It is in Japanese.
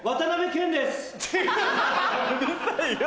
違ううるさいよ！